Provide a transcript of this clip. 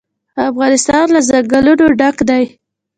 افغانستان له ځنګلونه ډک دی.